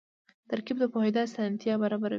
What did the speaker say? ترکیب د پوهېدو اسانتیا برابروي.